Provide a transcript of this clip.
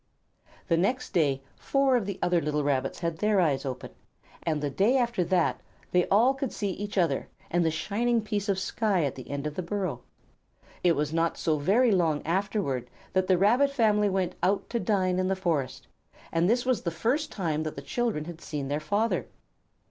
The next day four of the other little Rabbits had their eyes open, and the day after that they all could see each other and the shining piece of sky at the end of the burrow. It was not so very long afterward that the Rabbit family went out to dine in the forest, and this was the first time that the children had seen their father.